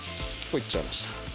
いっちゃいました